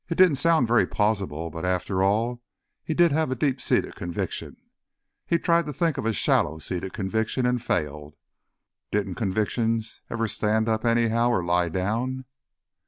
It didn't sound very plausible. But, after all, he did have a deep seated conviction. He tried to think of a shallow seated conviction, and failed. Didn't convictions ever stand up, anyhow, or lie down?